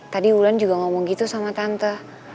tadi wulan juga ngomong gitu sama tante